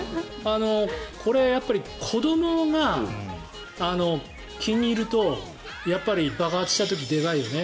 これ、子どもが気に入るとやっぱり爆発した時でかいよね。